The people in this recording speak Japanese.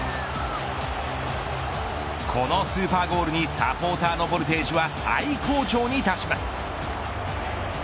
このスーパーゴールにサポーターのボルテージは最高潮に達します。